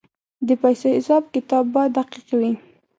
د پیسو حساب کتاب باید دقیق وي.